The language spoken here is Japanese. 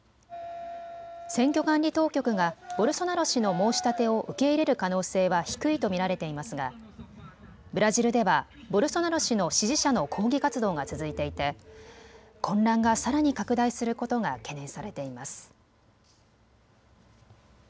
選挙管理当局がボルソナロ氏の申し立てを受け入れる可能性は低いと見られていますがブラジルではボルソナロ氏の支持者の抗議活動が続いていて、混乱がさらに拡大することが懸念されています。